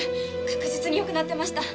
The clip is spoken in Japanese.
確実によくなってました。